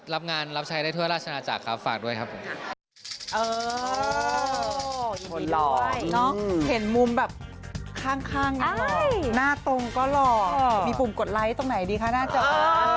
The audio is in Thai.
รับงานรับใช้ได้ทั่วราชนาจักรครับฝากด้วยครับผม